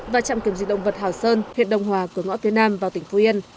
và trạm kiểm dịch động vật hảo sơn huyện đông hòa cửa ngõ phía nam vào tỉnh phú yên